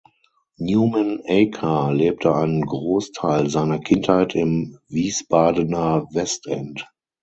Numan Acar lebte einen Großteil seiner Kindheit im Wiesbadener Westend.